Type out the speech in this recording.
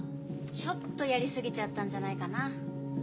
ちょっとやりすぎちゃったんじゃないかな？